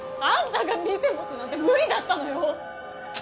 あんたが店持つなんて無理だったのよ！